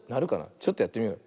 ちょっとやってみよう。